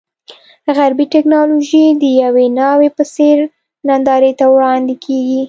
غربي ټکنالوژي د یوې ناوې په څېر نندارې ته وړاندې کېږي.